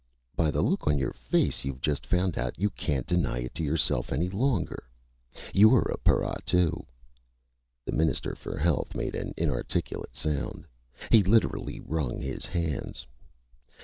By the look on your face you've just found out you can't deny it to yourself any longer. You're a para, too." The Minister for Health made an inarticulate sound. He literally wrung his hands.